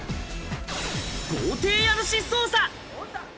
豪邸家主捜査。